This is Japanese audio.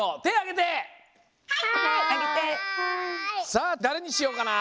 さあだれにしようかな？